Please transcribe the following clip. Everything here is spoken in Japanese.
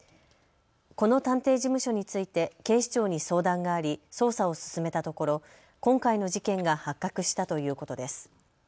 この探偵事務所について警視庁に相談があり捜査を進めたところ今回の事件が発覚したということです。